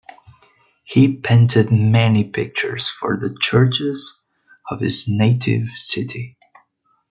He painted many pictures for the churches of his native city.